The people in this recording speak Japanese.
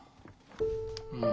うん。